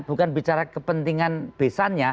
bukan bicara kepentingan besarnya